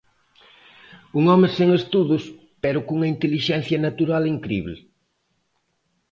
Un home sen estudos pero cunha intelixencia natural incrible.